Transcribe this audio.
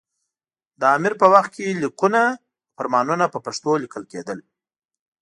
دې امیر په وخت کې لیکونه او فرمانونه په پښتو لیکل کېدل.